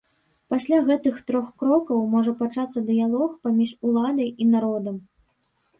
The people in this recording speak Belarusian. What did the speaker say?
Пасля гэтых трох крокаў можа пачацца дыялог паміж уладай і народам.